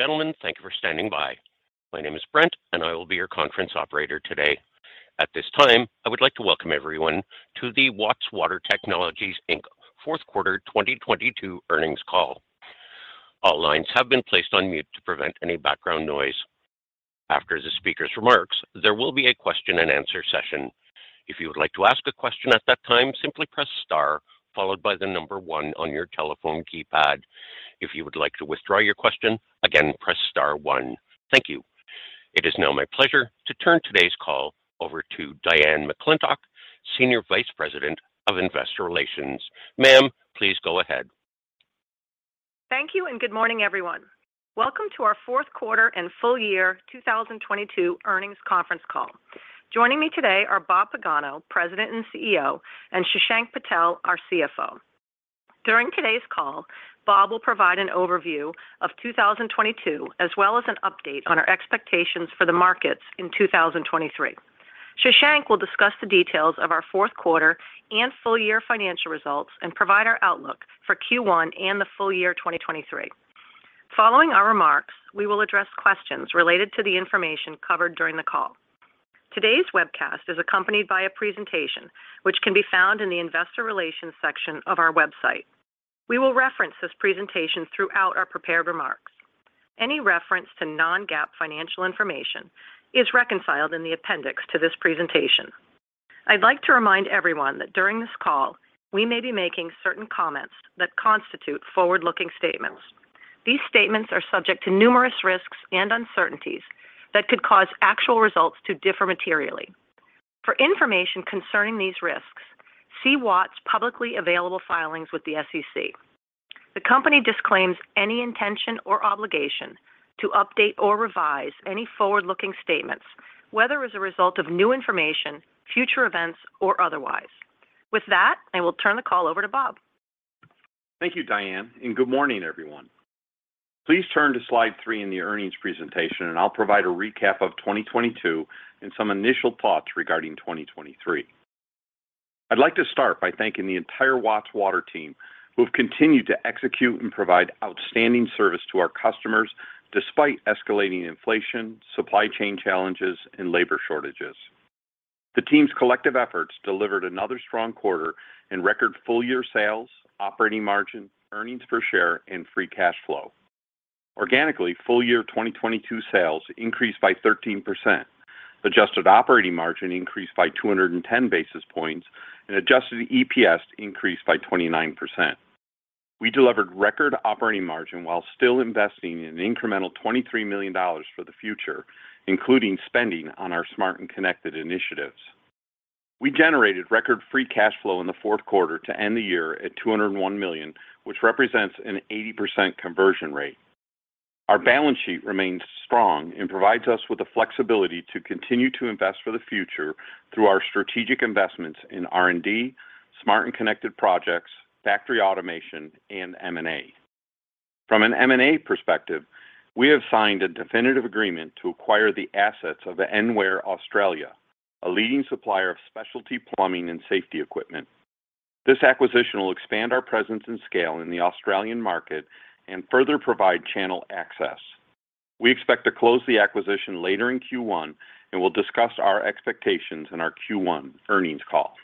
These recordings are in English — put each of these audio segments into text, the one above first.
Ladies and gentlemen, thank you for standing by. My name is Brent. I will be your conference operator today. At this time, I would like to welcome everyone to the Watts Water Technologies, Inc. fourth quarter 2022 earnings call. All lines have been placed on mute to prevent any background noise. After the speaker's remarks, there will be a question-and-answer session. If you would like to ask a question at that time, simply press star followed by one on your telephone keypad. If you would like to withdraw your question, again, press star one. Thank you. It is now my pleasure to turn today's call over to Diane McClintock, Senior Vice President of Investor Relations. Ma'am, please go ahead. Thank you, good morning, everyone. Welcome to our fourth quarter and full year 2022 earnings conference call. Joining me today are Bob Pagano, President and CEO, and Shashank Patel, our CFO. During today's call, Bob will provide an overview of 2022, as well as an update on our expectations for the markets in 2023. Shashank will discuss the details of our fourth quarter and full year financial results and provide our outlook for Q1 and the full year 2023. Following our remarks, we will address questions related to the information covered during the call. Today's webcast is accompanied by a presentation which can be found in the investor relations section of our website. We will reference this presentation throughout our prepared remarks. Any reference to non-GAAP financial information is reconciled in the appendix to this presentation. I'd like to remind everyone that during this call we may be making certain comments that constitute forward-looking statements. These statements are subject to numerous risks and uncertainties that could cause actual results to differ materially. For information concerning these risks, see Watts' publicly available filings with the SEC. The company disclaims any intention or obligation to update or revise any forward-looking statements, whether as a result of new information, future events, or otherwise. With that, I will turn the call over to Bob. Thank you, Diane. Good morning, everyone. Please turn to slide three in the earnings presentation. I'll provide a recap of 2022 and some initial thoughts regarding 2023. I'd like to start by thanking the entire Watts Water team who have continued to execute and provide outstanding service to our customers despite escalating inflation, supply chain challenges, and labor shortages. The team's collective efforts delivered another strong quarter in record full year sales, operating margin, earnings per share, and free cash flow. Organically, full year 2022 sales increased by 13%. Adjusted operating margin increased by 210 basis points, adjusted EPS increased by 29%. We delivered record operating margin while still investing in an incremental $23 million for the future, including spending on our Smart and Connected initiatives. We generated record free cash flow in the fourth quarter to end the year at $201 million, which represents an 80% conversion rate. Our balance sheet remains strong and provides us with the flexibility to continue to invest for the future through our strategic investments in R&D, Smart and Connected projects, factory automation, and M&A. From an M&A perspective, we have signed a definitive agreement to acquire the assets of Enware Australia, a leading supplier of specialty plumbing and safety equipment. This acquisition will expand our presence and scale in the Australian market and further provide channel access. We expect to close the acquisition later in Q1 and will discuss our expectations in our Q1 earnings call.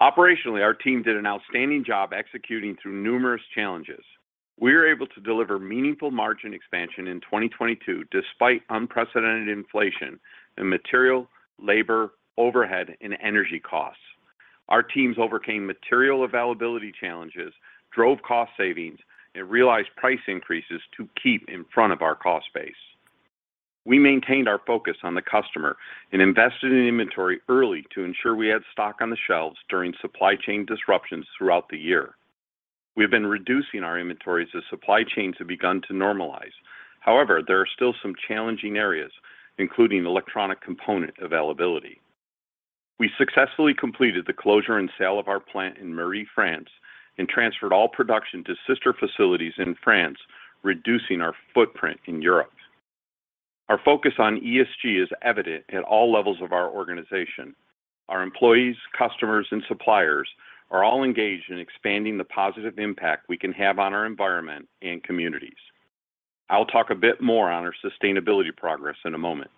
Operationally, our team did an outstanding job executing through numerous challenges. We were able to deliver meaningful margin expansion in 2022 despite unprecedented inflation in material, labor, overhead, and energy costs. Our teams overcame material availability challenges, drove cost savings, and realized price increases to keep in front of our cost base. We maintained our focus on the customer and invested in inventory early to ensure we had stock on the shelves during supply chain disruptions throughout the year. There are still some challenging areas, including electronic component availability. We successfully completed the closure and sale of our plant in Mery, France and transferred all production to sister facilities in France, reducing our footprint in Europe. Our focus on ESG is evident at all levels of our organization. Our employees, customers, and suppliers are all engaged in expanding the positive impact we can have on our environment and communities. I'll talk a bit more on our sustainability progress in a moment.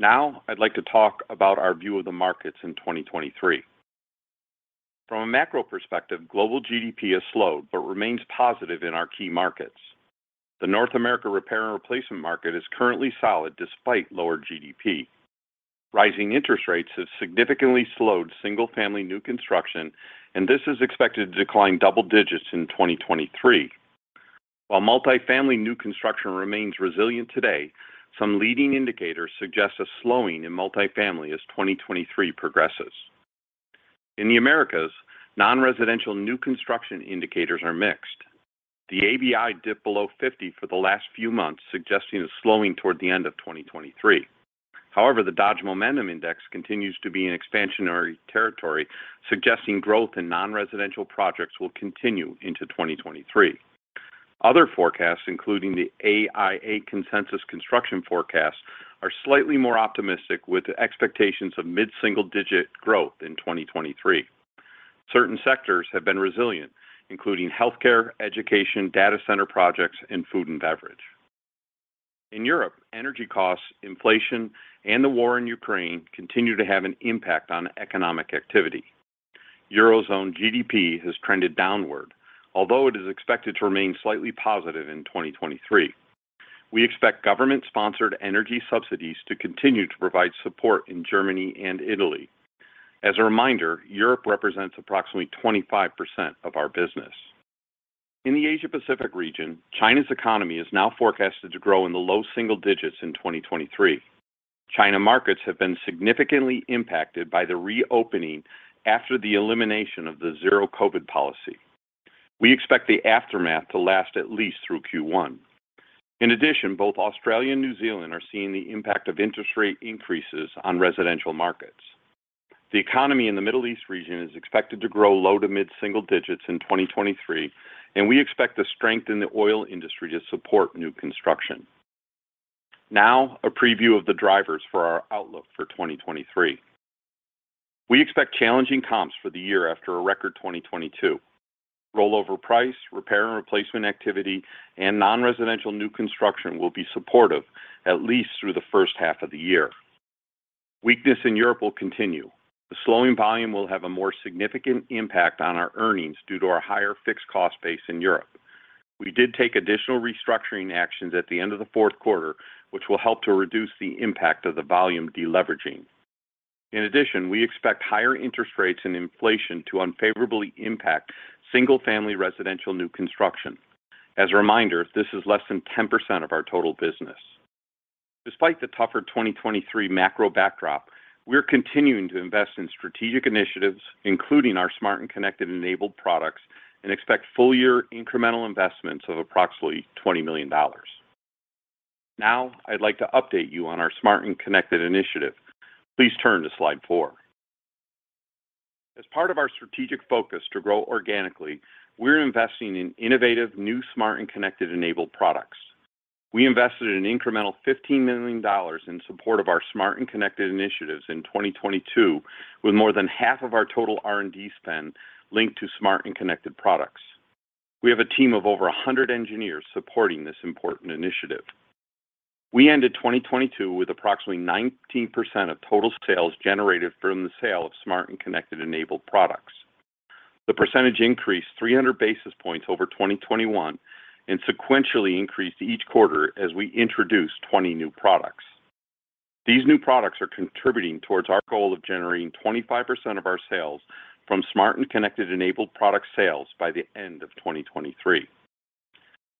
Now, I'd like to talk about our view of the markets in 2023. From a macro perspective, global GDP has slowed but remains positive in our key markets. The North America repair and replacement market is currently solid despite lower GDP. Rising interest rates have significantly slowed single-family new construction, and this is expected to decline double digits in 2023. While multifamily new construction remains resilient today, some leading indicators suggest a slowing in multifamily as 2023 progresses. In the Americas, non-residential new construction indicators are mixed. The ABI dipped below 50 for the last few months, suggesting a slowing toward the end of 2023. The Dodge Momentum Index continues to be in expansionary territory, suggesting growth in non-residential projects will continue into 2023. Other forecasts, including the AIA Consensus Construction Forecast, are slightly more optimistic, with expectations of mid-single-digit growth in 2023. Certain sectors have been resilient, including healthcare, education, data center projects, and food and beverage. In Europe, energy costs, inflation, and the war in Ukraine continue to have an impact on economic activity. Eurozone GDP has trended downward, although it is expected to remain slightly positive in 2023. We expect government-sponsored energy subsidies to continue to provide support in Germany and Italy. As a reminder, Europe represents approximately 25% of our business. In the Asia-Pacific region, China's economy is now forecasted to grow in the low single digits in 2023. China markets have been significantly impacted by the reopening after the elimination of the zero COVID policy. We expect the aftermath to last at least through Q1. In addition, both Australia and New Zealand are seeing the impact of interest rate increases on residential markets. The economy in the Middle East region is expected to grow low to mid-single digits in 2023, and we expect the strength in the oil industry to support new construction. Now, a preview of the drivers for our outlook for 2023. We expect challenging comps for the year after a record 2022. Rollover price, repair and replacement activity, and non-residential new construction will be supportive at least through the first half of the year. Weakness in Europe will continue. The slowing volume will have a more significant impact on our earnings due to our higher fixed cost base in Europe. We did take additional restructuring actions at the end of the fourth quarter, which will help to reduce the impact of the volume deleveraging. In addition, we expect higher interest rates and inflation to unfavorably impact single-family residential new construction. As a reminder, this is less than 10% of our total business. Despite the tougher 2023 macro backdrop, we're continuing to invest in strategic initiatives, including our Smart and Connected enabled products, and expect full year incremental investments of approximately $20 million. Now, I'd like to update you on our Smart and Connected initiative. Please turn to slide four. As part of our strategic focus to grow organically, we're investing in innovative new Smart and Connected enabled products. We invested an incremental $15 million in support of our Smart and Connected initiatives in 2022, with more than half of our total R&D spend linked to Smart and Connected products. We have a team of over 100 engineers supporting this important initiative. We ended 2022 with approximately 19% of total sales generated from the sale of Smart and Connected enabled products. The percentage increased 300 basis points over 2021 and sequentially increased each quarter as we introduced 20 new products. These new products are contributing towards our goal of generating 25% of our sales from Smart and Connected enabled product sales by the end of 2023.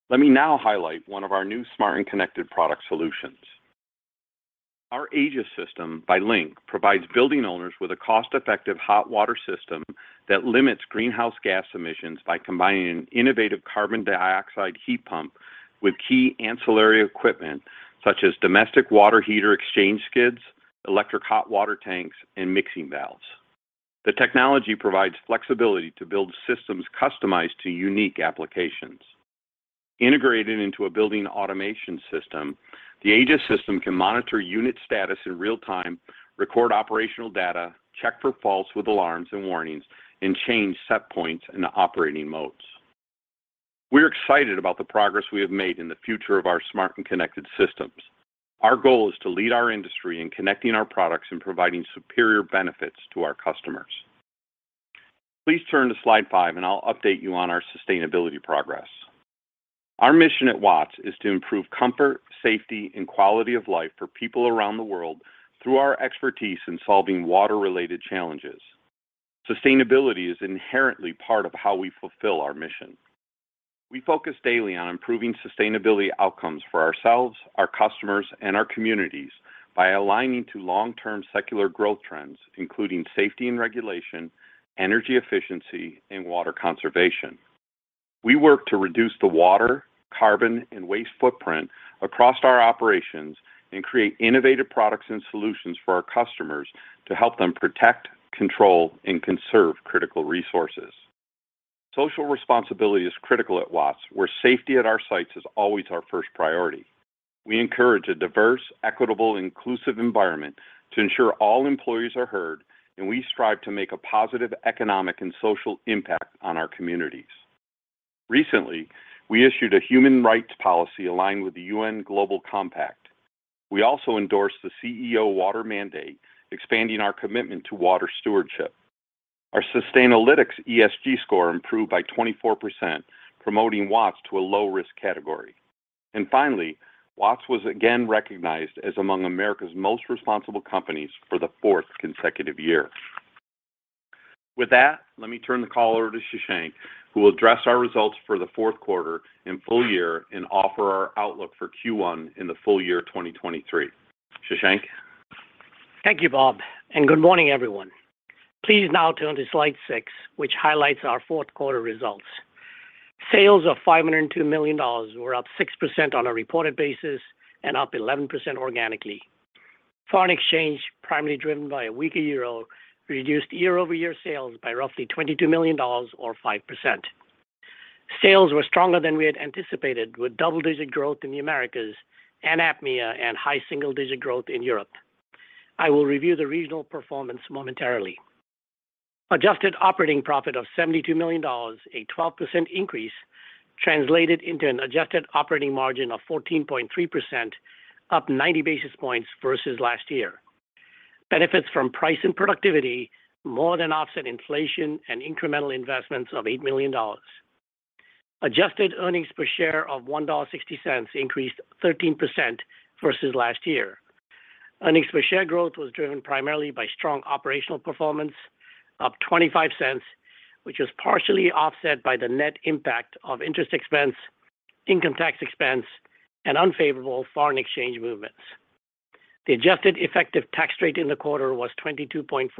Let me now highlight one of our new Smart and Connected product solutions. Our Aegis system by Lync provides building owners with a cost-effective hot water system that limits greenhouse gas emissions by combining an innovative carbon dioxide heat pump with key ancillary equipment such as domestic water heater exchange skids, electric hot water tanks, and mixing valves. The technology provides flexibility to build systems customized to unique applications. Integrated into a building automation system, the Aegis system can monitor unit status in real time, record operational data, check for faults with alarms and warnings, and change set points and operating modes. We're excited about the progress we have made in the future of our Smart and Connected systems. Our goal is to lead our industry in connecting our products and providing superior benefits to our customers. Please turn to slide five, and I'll update you on our sustainability progress. Our mission at Watts is to improve comfort, safety, and quality of life for people around the world through our expertise in solving water-related challenges. Sustainability is inherently part of how we fulfill our mission. We focus daily on improving sustainability outcomes for ourselves, our customers, and our communities by aligning to long-term secular growth trends, including safety and regulation, energy efficiency, and water conservation. We work to reduce the water, carbon, and waste footprint across our operations and create innovative products and solutions for our customers to help them protect, control, and conserve critical resources. Social responsibility is critical at Watts, where safety at our sites is always our first priority. We encourage a diverse, equitable, inclusive environment to ensure all employees are heard, and we strive to make a positive economic and social impact on our communities. Recently, we issued a human rights policy aligned with the UN Global Compact. We also endorsed the CEO Water Mandate, expanding our commitment to water stewardship. Our Sustainalytics ESG score improved by 24%, promoting Watts to a low-risk category. Finally, Watts was again recognized as among America's most responsible companies for the fourth consecutive year. With that, let me turn the call over to Shashank, who will address our results for the fourth quarter and full year and offer our outlook for Q1 in the full year 2023. Shashank? Thank you, Bob. Good morning, everyone. Please now turn to slide six, which highlights our fourth quarter results. Sales of $502 million were up 6% on a reported basis and up 11% organically. Foreign exchange, primarily driven by a weaker EUR, reduced year-over-year sales by roughly $22 million or 5%. Sales were stronger than we had anticipated with double-digit growth in the Americas and APMEA, and high single-digit growth in Europe. I will review the regional performance momentarily. Adjusted operating profit of $72 million, a 12% increase, translated into an adjusted operating margin of 14.3%, up 90 basis points versus last year. Benefits from price and productivity more than offset inflation and incremental investments of $8 million. Adjusted earnings per share of $1.60 increased 13% versus last year. Earnings per share growth was driven primarily by strong operational performance, up $0.25, which was partially offset by the net impact of interest expense, income tax expense, and unfavorable foreign exchange movements. The adjusted effective tax rate in the quarter was 22.4%.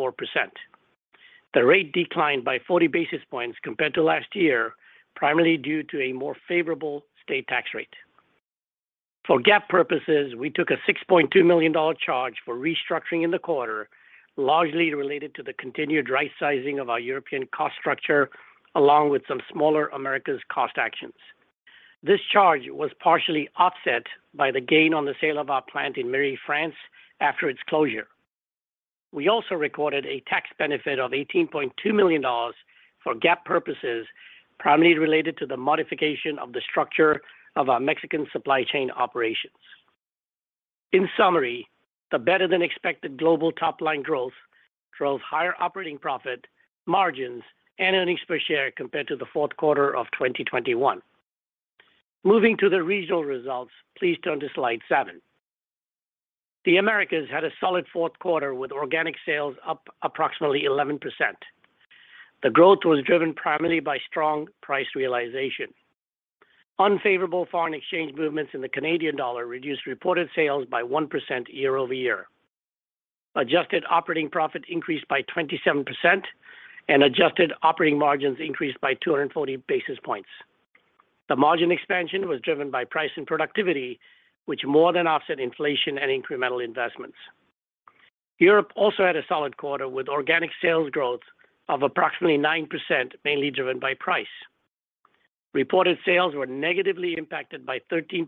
The rate declined by 40 basis points compared to last year, primarily due to a more favorable state tax rate. For GAAP purposes, we took a $6.2 million charge for restructuring in the quarter, largely related to the continued rightsizing of our European cost structure, along with some smaller Americas cost actions. This charge was partially offset by the gain on the sale of our plant in Mery, France after its closure. We also recorded a tax benefit of $18.2 million for GAAP purposes, primarily related to the modification of the structure of our Mexican supply chain operations. In summary, the better-than-expected global top-line growth drove higher operating profit margins and earnings per share compared to the fourth quarter of 2021. Moving to the regional results, please turn to slide seven. The Americas had a solid fourth quarter with organic sales up approximately 11%. The growth was driven primarily by strong price realization. Unfavorable foreign exchange movements in the Canadian dollar reduced reported sales by 1% year-over-year. Adjusted operating profit increased by 27% and adjusted operating margins increased by 240 basis points. The margin expansion was driven by price and productivity, which more than offset inflation and incremental investments. Europe also had a solid quarter with organic sales growth of approximately 9%, mainly driven by price. Reported sales were negatively impacted by 13%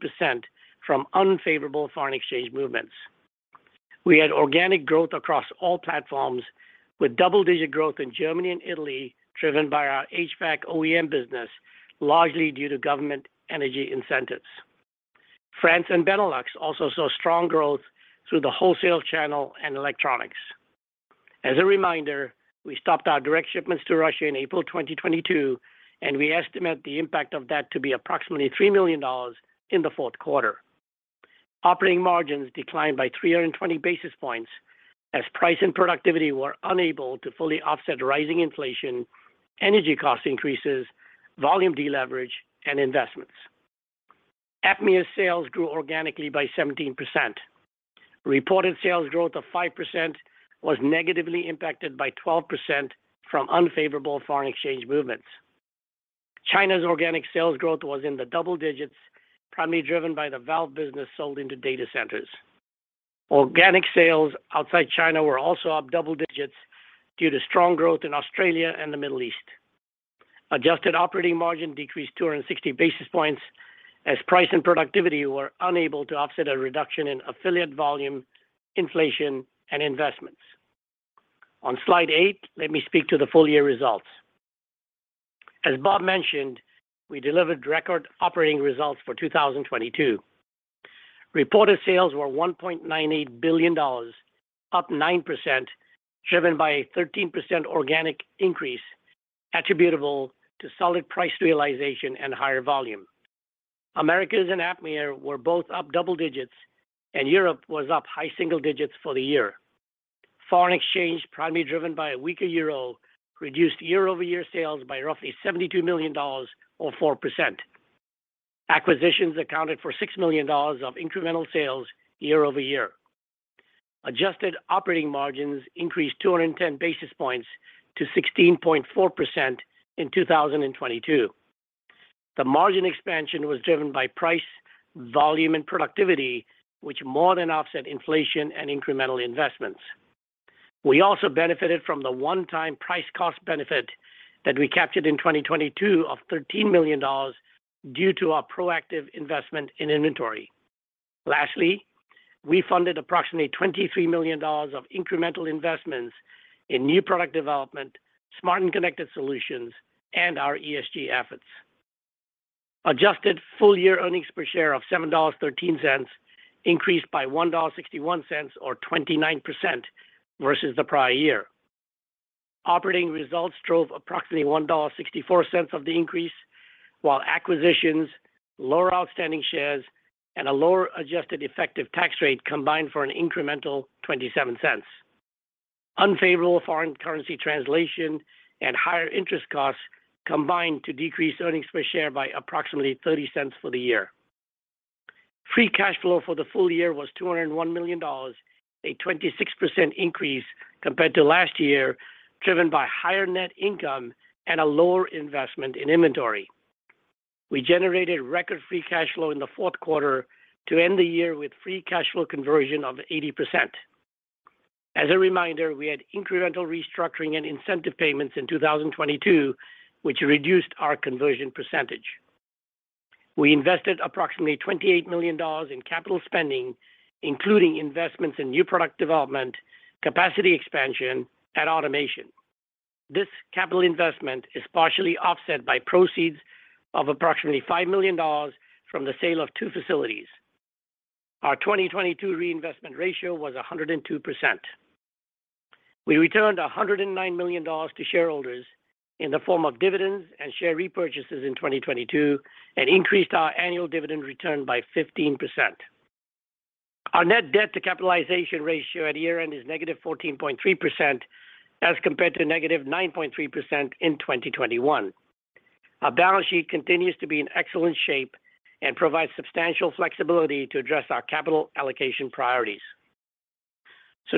from unfavorable foreign exchange movements. We had organic growth across all platforms with double-digit growth in Germany and Italy, driven by our HVAC OEM business, largely due to government energy incentives. France and Benelux also saw strong growth through the wholesale channel and electronics. As a reminder, we stopped our direct shipments to Russia in April 2022, and we estimate the impact of that to be approximately $3 million in the fourth quarter. Operating margins declined by 320 basis points as price and productivity were unable to fully offset rising inflation, energy cost increases, volume deleverage, and investments. APMEA's sales grew organically by 17%. Reported sales growth of 5% was negatively impacted by 12% from unfavorable foreign exchange movements. China's organic sales growth was in the double digits, primarily driven by the valve business sold into data centers. Organic sales outside China were also up double digits due to strong growth in Australia and the Middle East. Adjusted operating margin decreased 260 basis points as price and productivity were unable to offset a reduction in affiliate volume, inflation, and investments. On slide eight, let me speak to the full year results. As Bob mentioned, we delivered record operating results for 2022. Reported sales were $1.98 billion, up 9%, driven by a 13% organic increase attributable to solid price realization and higher volume. Americas and APMEA were both up double digits, Europe was up high single digits for the year. Foreign exchange, primarily driven by a weaker EUR, reduced year-over-year sales by roughly $72 million or 4%. Acquisitions accounted for $6 million of incremental sales year-over-year. Adjusted operating margins increased 210 basis points to 16.4% in 2022. The margin expansion was driven by price, volume, and productivity, which more than offset inflation and incremental investments. We also benefited from the one-time price cost benefit that we captured in 2022 of $13 million due to our proactive investment in inventory. Lastly, we funded approximately $23 million of incremental investments in new product development, Smart and Connected solutions, and our ESG efforts. Adjusted full-year earnings per share of $7.13 increased by $1.61 or 29% versus the prior year. Operating results drove approximately $1.64 of the increase, while acquisitions, lower outstanding shares, and a lower adjusted effective tax rate combined for an incremental $0.27. Unfavorable foreign currency translation and higher interest costs combined to decrease EPS by approximately $0.30 for the year. Free cash flow for the full year was $201 million, a 26% increase compared to last year, driven by higher net income and a lower investment in inventory. We generated record free cash flow in the fourth quarter to end the year with free cash flow conversion of 80%. As a reminder, we had incremental restructuring and incentive payments in 2022, which reduced our conversion percentage. We invested approximately $28 million in capital spending, including investments in new product development, capacity expansion, and automation. This capital investment is partially offset by proceeds of approximately $5 million from the sale of two facilities. Our 2022 reinvestment ratio was 102%. We returned $109 million to shareholders in the form of dividends and share repurchases in 2022 and increased our annual dividend return by 15%. Our net debt to capitalization ratio at year-end is -14.3% as compared to -9.3% in 2021. Our balance sheet continues to be in excellent shape and provides substantial flexibility to address our capital allocation priorities.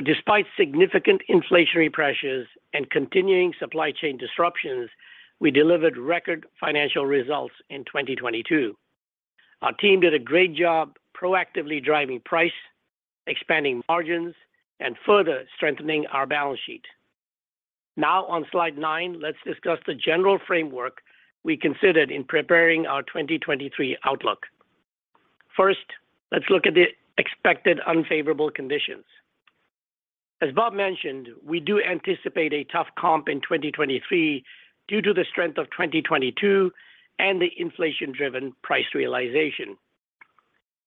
Despite significant inflationary pressures and continuing supply chain disruptions, we delivered record financial results in 2022. Our team did a great job proactively driving price, expanding margins, and further strengthening our balance sheet. On slide nine, let's discuss the general framework we considered in preparing our 2023 outlook. First, let's look at the expected unfavorable conditions. As Bob mentioned, we do anticipate a tough comp in 2023 due to the strength of 2022 and the inflation-driven price realization.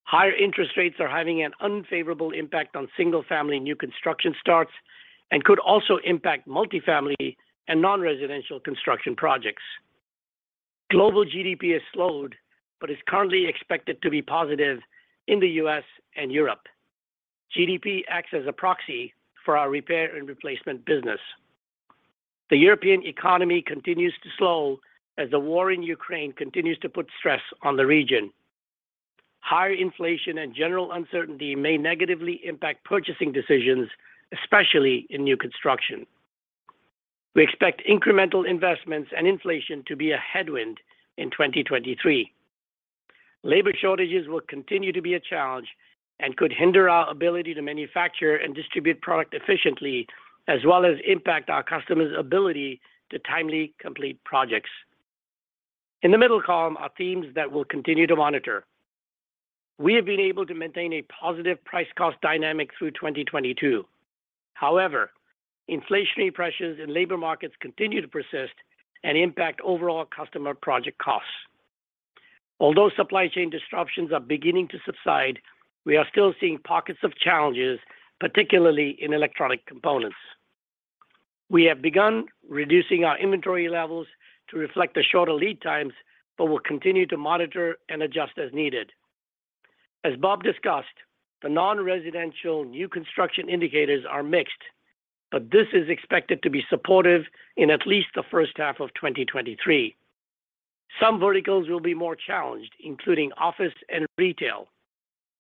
Higher interest rates are having an unfavorable impact on single-family new construction starts and could also impact multifamily and non-residential construction projects. Global GDP has slowed but is currently expected to be positive in the U.S. and Europe. GDP acts as a proxy for our repair and replacement business. The European economy continues to slow as the war in Ukraine continues to put stress on the region. Higher inflation and general uncertainty may negatively impact purchasing decisions, especially in new construction. We expect incremental investments and inflation to be a headwind in 2023. Labor shortages will continue to be a challenge and could hinder our ability to manufacture and distribute product efficiently, as well as impact our customers' ability to timely complete projects. In the middle column are themes that we'll continue to monitor. We have been able to maintain a positive price cost dynamic through 2022. However, inflationary pressures in labor markets continue to persist and impact overall customer project costs. Although supply chain disruptions are beginning to subside, we are still seeing pockets of challenges, particularly in electronic components. We have begun reducing our inventory levels to reflect the shorter lead times but will continue to monitor and adjust as needed. As Bob discussed, the non-residential new construction indicators are mixed, but this is expected to be supportive in at least the first half of 2023. Some verticals will be more challenged, including office and retail.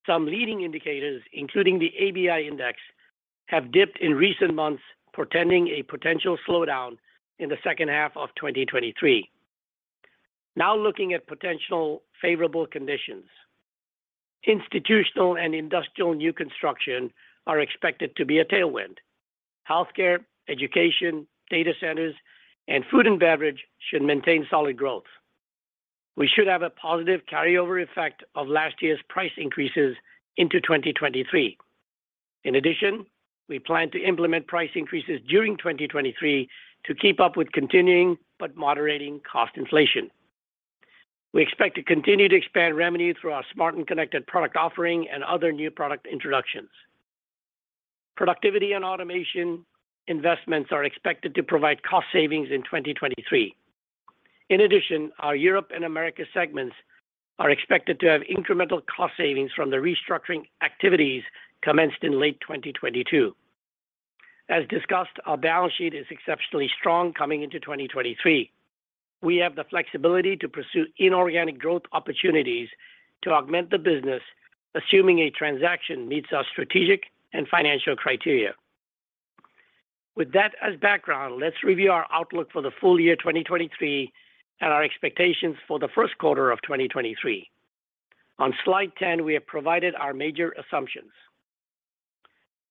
Some leading indicators, including the ABI index, have dipped in recent months, portending a potential slowdown in the second half of 2023. Looking at potential favorable conditions. Institutional and industrial new construction are expected to be a tailwind. Healthcare, education, data centers, and food and beverage should maintain solid growth. We should have a positive carryover effect of last year's price increases into 2023. In addition, we plan to implement price increases during 2023 to keep up with continuing but moderating cost inflation. We expect to continue to expand revenue through our Smart and Connected product offering and other new product introductions. Productivity and automation investments are expected to provide cost savings in 2023. In addition, our Europe and America segments are expected to have incremental cost savings from the restructuring activities commenced in late 2022. As discussed, our balance sheet is exceptionally strong coming into 2023. We have the flexibility to pursue inorganic growth opportunities to augment the business, assuming a transaction meets our strategic and financial criteria. With that as background, let's review our outlook for the full year 2023 and our expectations for the 1st quarter of 2023. On slide 10, we have provided our major assumptions.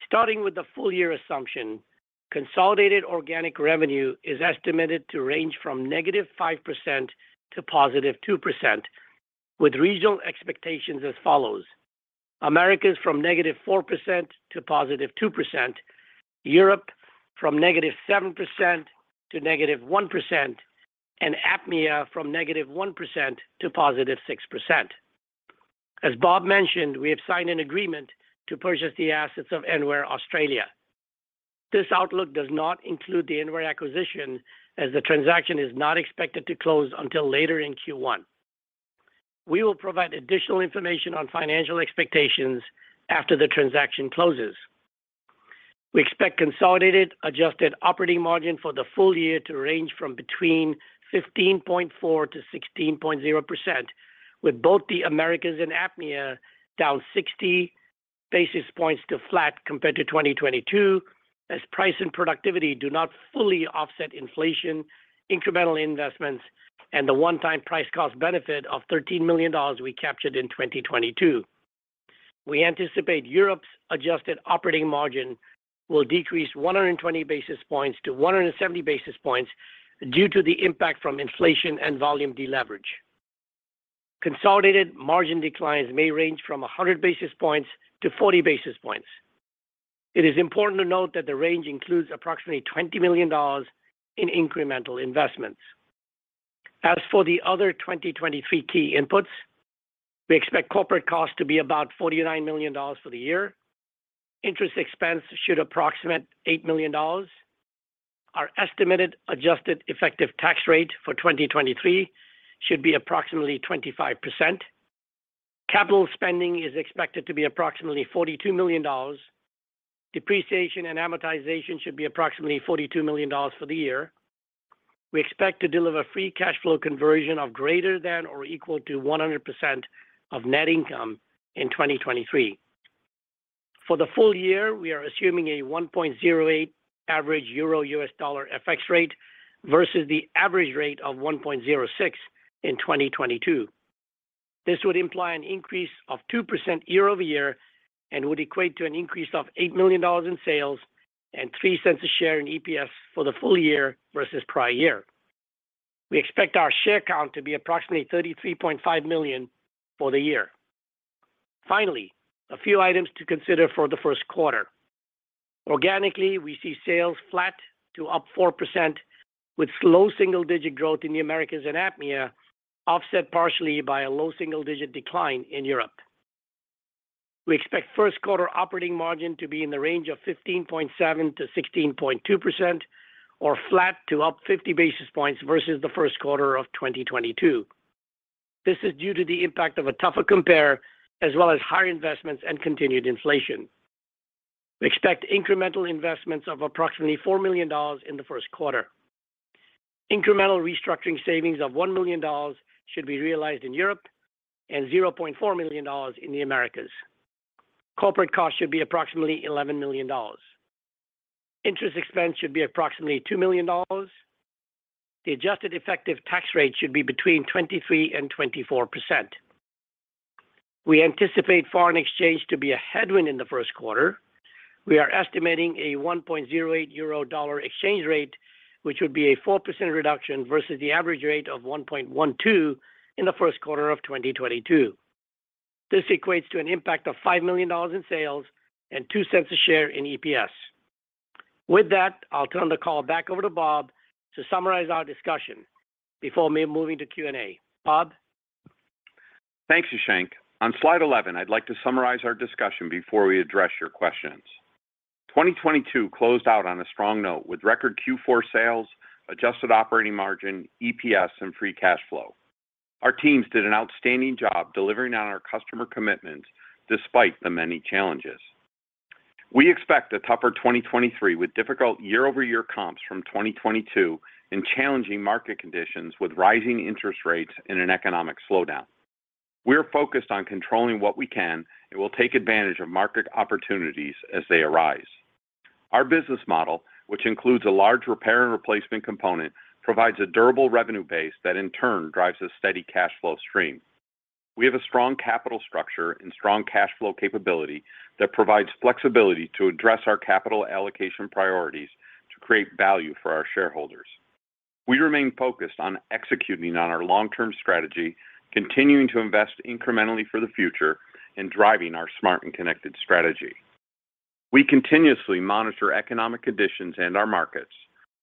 Starting with the full year assumption, consolidated organic revenue is estimated to range from -5% to +2%, with regional expectations as follows. Americas from -4% to +2%, Europe from -7% to -1%, APMEA from -1% to +6%. As Bob mentioned, we have signed an agreement to purchase the assets of Enware Australia. This outlook does not include the Enware acquisition, as the transaction is not expected to close until later in Q1. We will provide additional information on financial expectations after the transaction closes. We expect consolidated adjusted operating margin for the full year to range from between 15.4% to 16.0%, with both the Americas and APMEA down 60 basis points to flat compared to 2022, as price and productivity do not fully offset inflation, incremental investments, and the one-time price cost benefit of $13 million we captured in 2022. We anticipate Europe's adjusted operating margin will decrease 120 basis points to 170 basis points due to the impact from inflation and volume deleverage. Consolidated margin declines may range from 100 basis points to 40 basis points. It is important to note that the range includes approximately $20 million in incremental investments. As for the other 2023 key inputs, we expect corporate costs to be about $49 million for the year. Interest expense should approximate $8 million. Our estimated adjusted effective tax rate for 2023 should be approximately 25%. Capital spending is expected to be approximately $42 million. Depreciation and amortization should be approximately $42 million for the year. We expect to deliver free cash flow conversion of greater than or equal to 100% of net income in 2023. For the full year, we are assuming a 1.08 average EUR-USD FX rate versus the average rate of 1.06 in 2022. This would imply an increase of 2% year-over-year and would equate to an increase of $8 million in sales and $0.03 a share in EPS for the full year versus prior year. We expect our share count to be approximately 33.5 million for the year. Finally, a few items to consider for the first quarter. Organically, we see sales flat to up 4% with low single-digit growth in the Americas and APMEA, offset partially by a low single-digit decline in Europe. We expect first quarter operating margin to be in the range of 15.7%-16.2% or flat to up 50 basis points versus the first quarter of 2022. This is due to the impact of a tougher compare, as well as higher investments and continued inflation. We expect incremental investments of approximately $4 million in the first quarter. Incremental restructuring savings of $1 million should be realized in Europe and $0.4 million in the Americas. Corporate costs should be approximately $11 million. Interest expense should be approximately $2 million. The adjusted effective tax rate should be between 23% and 24%. We anticipate foreign exchange to be a headwind in the first quarter. We are estimating a 1.08 Euro-dollar exchange rate, which would be a 4% reduction versus the average rate of 1.12 in the first quarter of 2022. This equates to an impact of $5 million in sales and $0.02 a share in EPS. With that, I'll turn the call back over to Bob to summarize our discussion before me moving to Q&A. Bob? Thanks, Shashank. On slide 11, I'd like to summarize our discussion before we address your questions. 2022 closed out on a strong note with record Q4 sales, adjusted operating margin, EPS, and free cash flow. Our teams did an outstanding job delivering on our customer commitments despite the many challenges. We expect a tougher 2023 with difficult year-over-year comps from 2022 and challenging market conditions with rising interest rates and an economic slowdown. We're focused on controlling what we can and will take advantage of market opportunities as they arise. Our business model, which includes a large repair and replacement component, provides a durable revenue base that in turn drives a steady cash flow stream. We have a strong capital structure and strong cash flow capability that provides flexibility to address our capital allocation priorities to create value for our shareholders. We remain focused on executing on our long-term strategy, continuing to invest incrementally for the future, and driving our Smart and Connected strategy. We continuously monitor economic conditions and our markets.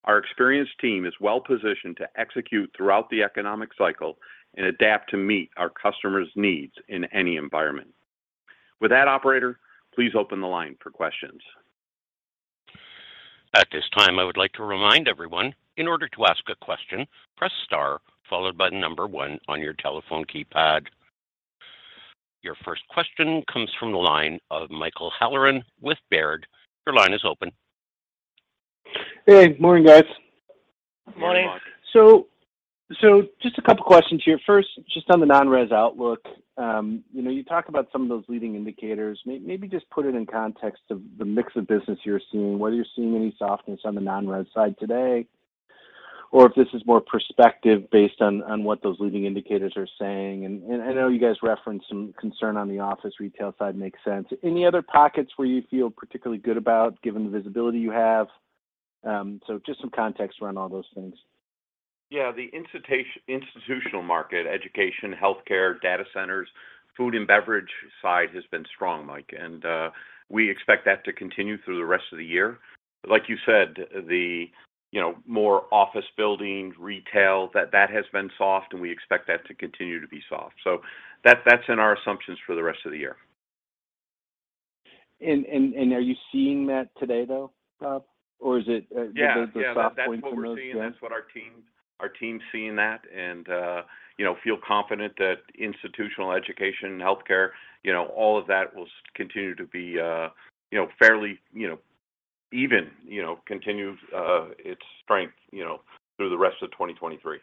Our experienced team is well-positioned to execute throughout the economic cycle and adapt to meet our customers' needs in any environment. With that, operator, please open the line for questions. At this time, I would like to remind everyone, in order to ask a question, press star followed by the number one on your telephone keypad. Your first question comes from the line of Michael Halloran with Baird. Your line is open. Hey, morning, guys. Morning. Morning, Bob. Just a couple of questions here. First, just on the non-res outlook, you know, you talk about some of those leading indicators. Maybe just put it in context of the mix of business you're seeing, whether you're seeing any softness on the non-res side today, or if this is more perspective based on what those leading indicators are saying. I know you guys referenced some concern on the office retail side. Makes sense. Any other pockets where you feel particularly good about given the visibility you have? Just some context around all those things. Yeah. The institutional market, education, healthcare, data centers, food and beverage side has been strong, Mike. We expect that to continue through the rest of the year. Like you said, the, you know, more office buildings, retail, that has been soft, and we expect that to continue to be soft. That's in our assumptions for the rest of the year. Are you seeing that today, though, Bob? Yeah. The soft point for most, yeah? That's what we're seeing. That's what our team's seeing that and, you know, feel confident that institutional education, healthcare, you know, all of that will continue to be, you know, fairly, you know, even. You know, continue its strength, you know, through the rest of 2023.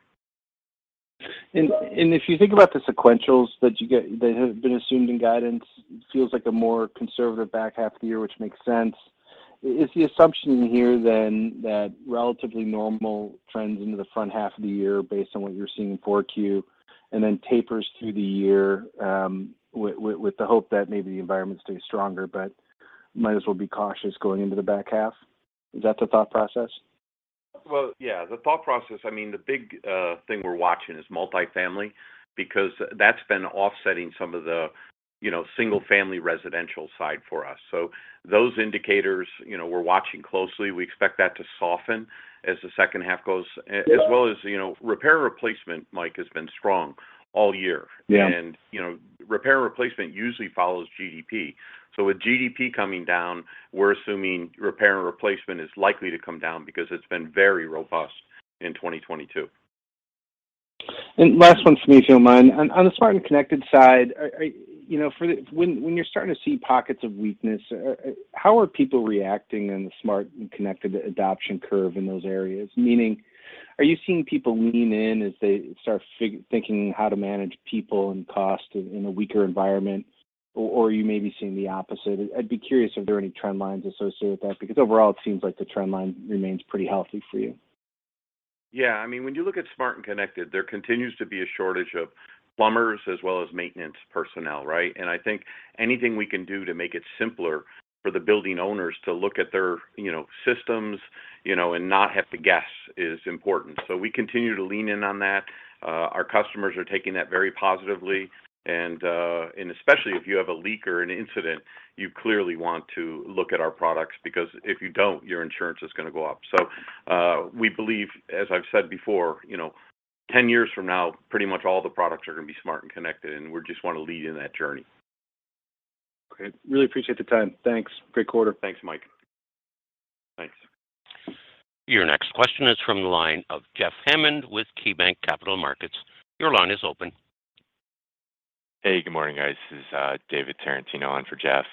If you think about the sequentials that have been assumed in guidance, it feels like a more conservative back half of the year, which makes sense. Is the assumption here then that relatively normal trends into the front half of the year based on what you're seeing in Q4, and then tapers through the year, with the hope that maybe the environment stays stronger, but might as well be cautious going into the back half? Is that the thought process? Well, yeah. The thought process, I mean, the big thing we're watching is multifamily because that's been offsetting some of the, you know, single-family residential side for us. Those indicators, you know, we're watching closely. We expect that to soften as the second half goes. Yeah. You know, repair replacement, Mike, has been strong all year. Yeah. You know, repair replacement usually follows GDP. With GDP coming down, we're assuming repair and replacement is likely to come down because it's been very robust in 2022. Last one from me, if you don't mind. On the Smart and Connected side, are, you know, for the... When you're starting to see pockets of weakness, how are people reacting in the Smart and Connected adoption curve in those areas? Meaning, are you seeing people lean in as they start thinking how to manage people and cost in a weaker environment, or you may be seeing the opposite? I'd be curious if there are any trend lines associated with that, because overall it seems like the trend line remains pretty healthy for you. I mean, when you look at Smart and Connected, there continues to be a shortage of plumbers as well as maintenance personnel, right? I think anything we can do to make it simpler for the building owners to look at their, you know, systems, you know, and not have to guess is important. We continue to lean in on that. Our customers are taking that very positively and especially if you have a leak or an incident, you clearly want to look at our products because if you don't, your insurance is gonna go up. We believe, as I've said before, you know, 10 years from now, pretty much all the products are gonna be Smart and Connected, and we just wanna lead in that journey. Okay. Really appreciate the time. Thanks. Great quarter. Thanks, Mike. Thanks. Your next question is from the line of Jeff Hammond with KeyBanc Capital Markets. Your line is open. Hey, good morning, guys. This is David Tarantino on for Jeff.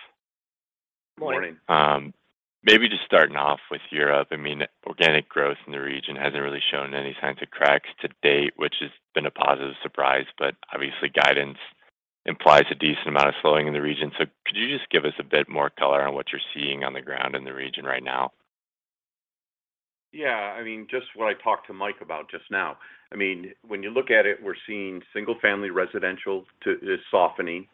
Morning. Morning. Maybe just starting off with Europe. I mean, organic growth in the region hasn't really shown any signs of cracks to date, which has been a positive surprise. Obviously guidance implies a decent amount of slowing in the region. Could you just give us a bit more color on what you're seeing on the ground in the region right now? Yeah. I mean, just what I talked to Mike about just now. I mean, when you look at it, we're seeing single family residential is softening.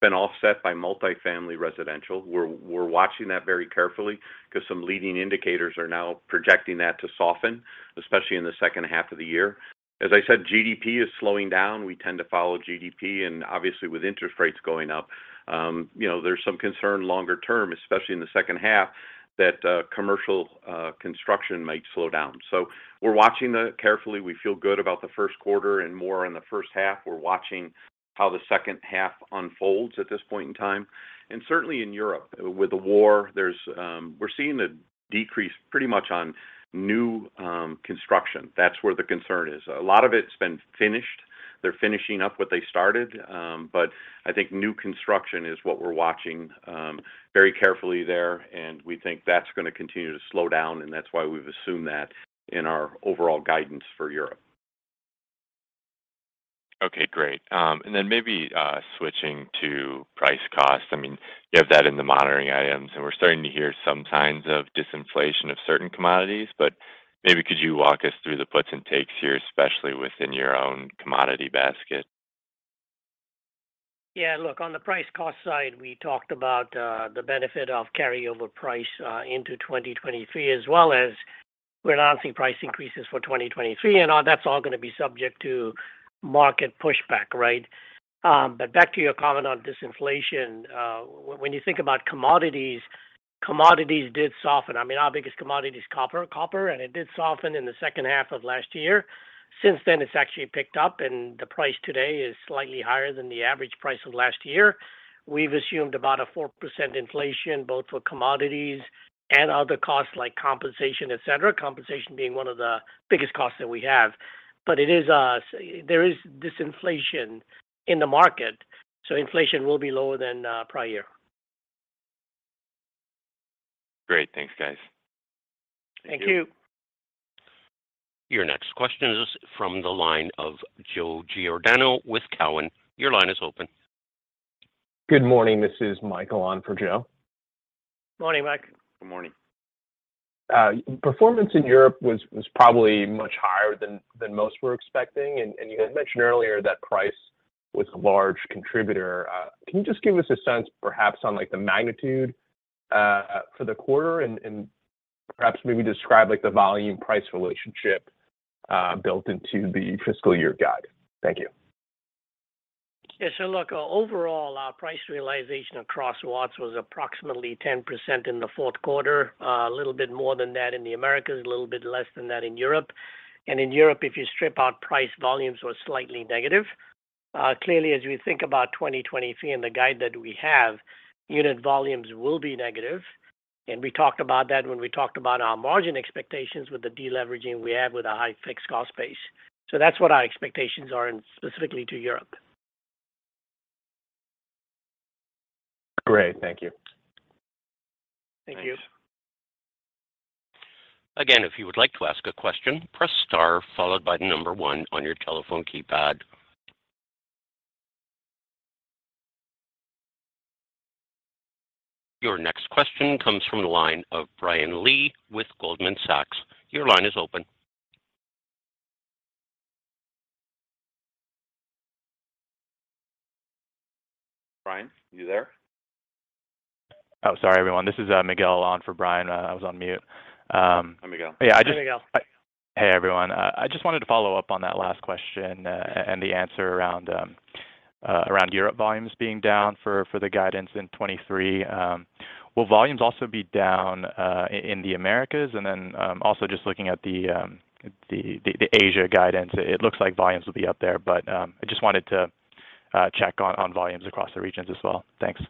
Been offset by multifamily residential. We're watching that very carefully 'cause some leading indicators are now projecting that to soften, especially in the second half of the year. As I said, GDP is slowing down. We tend to follow GDP and obviously with interest rates going up, you know, there's some concern longer term, especially in the second half, that commercial construction might slow down. We're watching that carefully. We feel good about the first quarter and more in the first half. We're watching how the second half unfolds at this point in time. Certainly in Europe with the war, there's we're seeing a decrease pretty much on new construction. That's where the concern is. A lot of it's been finished. They're finishing up what they started. I think new construction is what we're watching, very carefully there, and we think that's gonna continue to slow down, and that's why we've assumed that in our overall guidance for Europe. Okay, great. Maybe switching to price cost. I mean, you have that in the monitoring items, and we're starting to hear some signs of disinflation of certain commodities, but maybe could you walk us through the puts and takes here, especially within your own commodity basket? Yeah. Look, on the price cost side, we talked about the benefit of carryover price into 2023, as well as we're announcing price increases for 2023 and all. That's all gonna be subject to market pushback, right? Back to your comment on disinflation. When you think about commodities did soften. I mean, our biggest commodity is copper, and it did soften in the second half of last year. Since then, it's actually picked up and the price today is slightly higher than the average price of last year. We've assumed about a 4% inflation both for commodities and other costs like compensation, etc. Compensation being one of the biggest costs that we have. It is, there is disinflation in the market, inflation will be lower than prior. Great. Thanks, guys. Thank you. Thank you. Your next question is from the line of Joe Giordano with Cowen. Your line is open. Good morning. This is Michael on for Joe. Morning, Mike. Good morning. Performance in Europe was probably much higher than most were expecting. You had mentioned earlier that price was a large contributor. Can you just give us a sense perhaps on, like, the magnitude for the quarter and perhaps maybe describe, like, the volume price relationship built into the fiscal year guide? Thank you. Look, overall, our price realization across Watts was approximately 10% in the fourth quarter. A little bit more than that in the Americas, a little bit less than that in Europe. In Europe, if you strip out price, volumes were slightly negative. Clearly, as we think about 2023 and the guide that we have, unit volumes will be negative. We talked about that when we talked about our margin expectations with the deleveraging we have with our high fixed cost base. That's what our expectations are in specifically to Europe. Great. Thank you. Thank you. Thanks. Again, if you would like to ask a question, press star followed by number one on your telephone keypad. Your next question comes from the line of Brian Lee with Goldman Sachs. Your line is open. Brian, are you there? Oh, sorry, everyone. This is Miguel on for Brian. I was on mute. Hi, Miguel. Yeah, I just. Hi, Miguel. Hey, everyone. I just wanted to follow up on that last question, and the answer around Europe volumes being down for the guidance in 23. Will volumes also be down in the Americas? Then, also just looking at the Asia guidance, it looks like volumes will be up there. I just wanted to check on volumes across the regions as well. Thanks.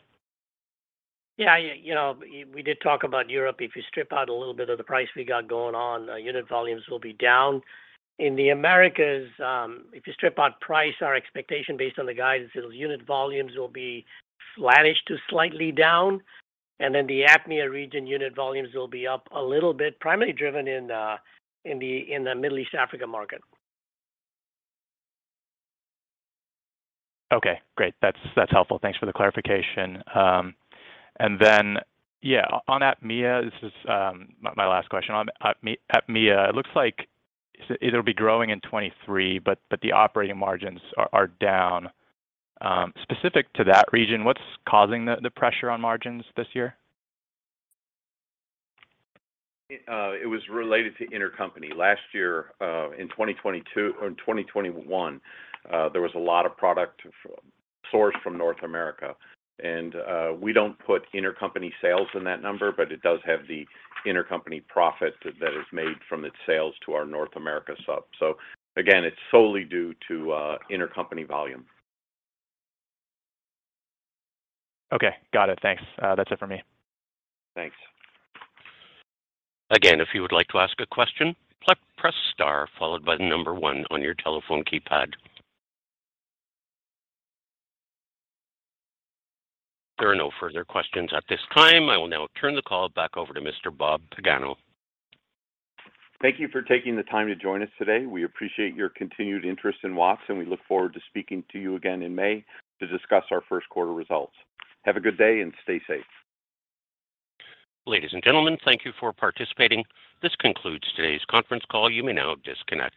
Yeah, you know, we did talk about Europe. If you strip out a little bit of the price we got going on, unit volumes will be down. In the Americas, if you strip out price, our expectation based on the guidance is unit volumes will be flattish to slightly down. The APMEA region unit volumes will be up a little bit, primarily driven in the Middle East Africa market. Okay, great. That's helpful. Thanks for the clarification. Yeah, on APMEA, this is my last question. On APMEA, it looks like it'll be growing in 23, but the operating margins are down. Specific to that region, what's causing the pressure on margins this year? It was related to intercompany. Last year, in 2022 or in 2021, there was a lot of product sourced from North America. We don't put intercompany sales in that number, but it does have the intercompany profit that is made from its sales to our North America sub. Again, it's solely due to intercompany volume. Okay. Got it. Thanks. That's it for me. Thanks. If you would like to ask a question, press Star followed by the number one on your telephone keypad. There are no further questions at this time. I will now turn the call back over to Mr. Bob Pagano. Thank you for taking the time to join us today. We appreciate your continued interest in Watts, and we look forward to speaking to you again in May to discuss our first quarter results. Have a good day and stay safe. Ladies and gentlemen, thank you for participating. This concludes today's conference call. You may now disconnect.